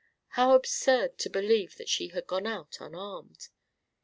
How absurd to believe that she had gone out unarmed.